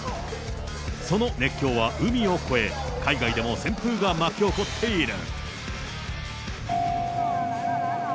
その熱狂は海を越え、海外でも旋風が巻き起こっている。